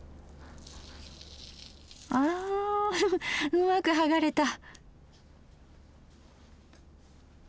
うんうまく剥がれた！